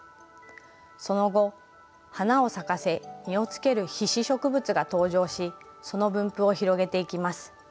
その後花を咲かせ実をつける被子植物が登場しその分布を広げていきます。